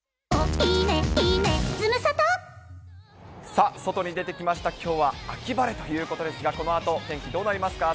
さあ、外に出てきました、きょうは秋晴れということですが、このあと、天気どうなりますか。